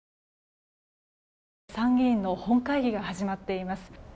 参議院の本会議が始まっています。